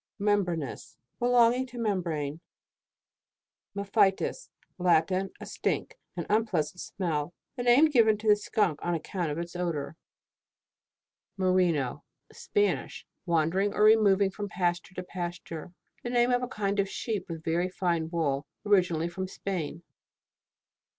MEMBRANOUS. Belonging to mem brane. MEPHITIS. Latin. A stink, an un pleasant smell. The name given to the skunk on account of its odour. MERINO Spanish. Wandering or removing from pasture to pasture. The name of a kind of sheep with very fine wool, originally from Spain.